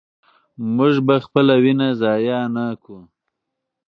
موږ به خپله وینه ضایع نه کړو.